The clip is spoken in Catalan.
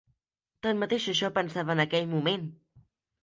Tanmateix això pensava en aquell moment!